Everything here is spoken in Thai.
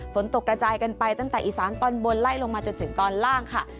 ฝนตกกระจายกันไปตั้งแต่อีสานตอนบนไล่ลงมาจนถึงตอนล่างค่ะ